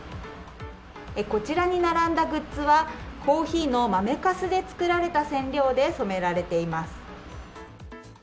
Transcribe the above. こちらに並んだグッズはコーヒーの豆かすで作られた染料で染められています。